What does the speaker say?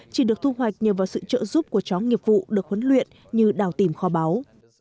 chỉ được thu hoạch nhờ vào sự trợ giúp của chó nghiệp vụ được huấn luyện như đào tìm kho báu